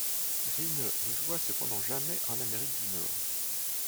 Rinne ne joua cependant jamais en Amérique du Nord.